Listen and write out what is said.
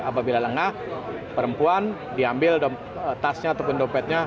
apabila lengah perempuan diambil tasnya atau pendopetnya